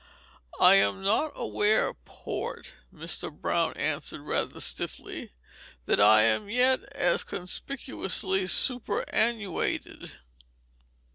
"I am not aware, Port," Mr. Brown answered rather stiffly, "that I am as yet conspicuously superannuated.